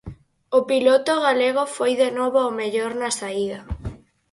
O piloto galego foi de novo o mellor na saída.